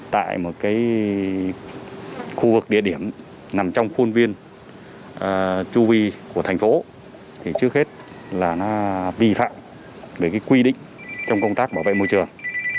tại một khu vực địa điểm nằm trong khuôn viên chu vi của thành phố thì trước hết là nó vi phạm về quy định trong công tác bảo vệ môi trường